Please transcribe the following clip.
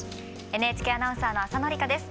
ＮＨＫアナウンサーの浅野里香です。